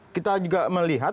kita juga melihat